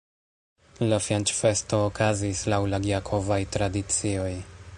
La fianĉfesto okazis laŭ la gjakovaj tradicioj.